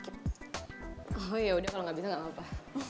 oh ya udah kalau gak bisa gak apa apa